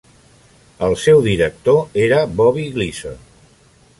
El seu director era Bobby Gleason.